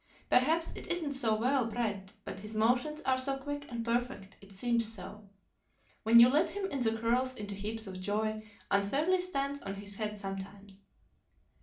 Perhaps it isn't so well bred, but his motions are so quick and perfect it seems so. When you let him in he curls into heaps of joy, and fairly stands on his head sometimes.